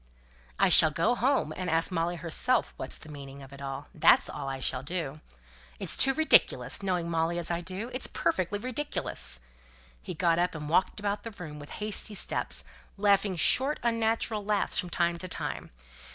"I shall go home and ask Molly herself what's the meaning of it all; that's all I shall do. It's too ridiculous knowing Molly as I do, it's perfectly ridiculous." He got up and walked about the room with hasty steps, laughing short unnatural laughs from time to time.